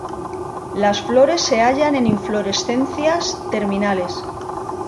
Las flores se hallan en inflorescencias terminales.